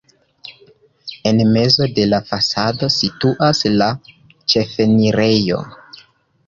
En mezo de la fasado situas la ĉefenirejo.